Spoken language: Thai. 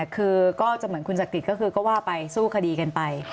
คือก็จะเหมือนคุณจักริตก็คือก็ว่าไปสู้คดีกันไป